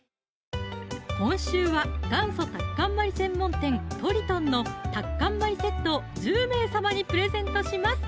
今週は元祖タッカンマリ専門店「とりとん」のタッカンマリセットを１０名様にプレゼントします